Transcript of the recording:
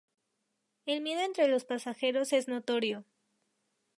El miedo entre los pasajeros es notorio.